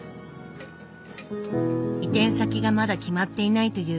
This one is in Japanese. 移転先がまだ決まっていないというこのお店。